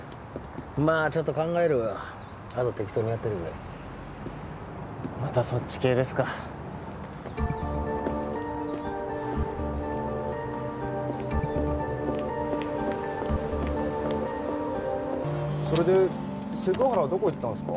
まあちょっと考えるわあと適当にやっといてくれまたそっち系ですかそれでセク原はどこ行ったんすか？